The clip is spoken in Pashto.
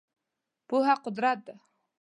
پوهه قدرت دی .